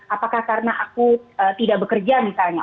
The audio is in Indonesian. apakah karena aku tidak bekerja misalnya